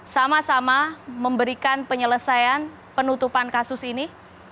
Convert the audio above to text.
sama sama memberikan penyelesaian penutupan kasus ini